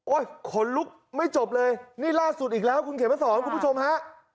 ขนลุกไม่จบเลยนี่ล่าสุดอีกแล้วคุณเขียนมาสอนคุณผู้ชมฮะ